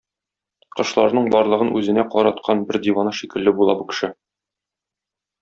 Кошларның барлыгын үзенә караткан бер дивана шикелле була бу кеше.